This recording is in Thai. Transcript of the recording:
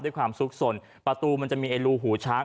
ด้วยความสุขสนประตูมันจะมีไอ้รูหูช้าง